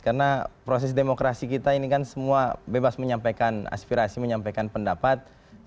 karena proses demokrasi kita ini kan semua bebas menyampaikan aspirasi menyampaikan pendapat